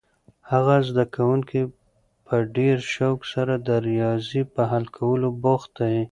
هغه زده کوونکی په ډېر شوق سره د ریاضي په حل کولو بوخت دی.